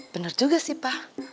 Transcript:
bener juga sih pa